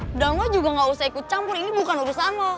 he dan lo juga gak usah ikut campur ini bukan urusan lo